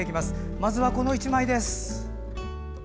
まずは、この１枚です。